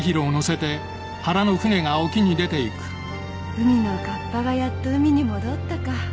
海の河童がやっと海に戻ったか。